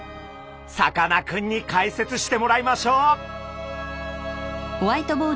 さかなクンに解説してもらいましょう。